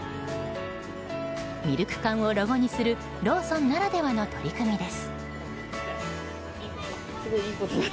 ミルク缶をロゴにするローソンならではの取り組みです。